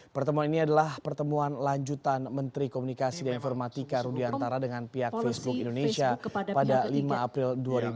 pertemuan ini adalah pertemuan lanjutan menteri komunikasi dan informatika rudiantara dengan pihak facebook indonesia pada lima april dua ribu dua puluh